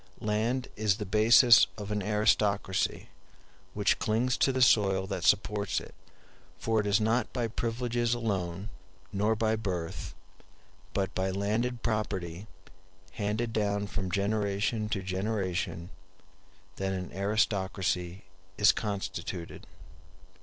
Land is the basis of an aristocracy, which clings to the soil that supports it; for it is not by privileges alone, nor by birth, but by landed property handed down from generation to generation, that an aristocracy is constituted.